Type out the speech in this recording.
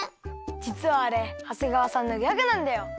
じつはあれ長谷川さんのギャグなんだよ！